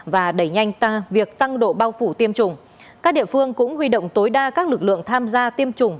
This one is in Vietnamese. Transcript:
và đẩy nhanh ta việc tăng độ bao phủ tiêm chủng các địa phương cũng huy động tối đa các lực lượng tham gia tiêm chủng